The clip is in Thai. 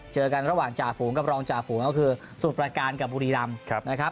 เจอกันระหว่างจ่าฝูงกับรองจ่าฝูงก็คือสมุทรประการกับบุรีรำนะครับ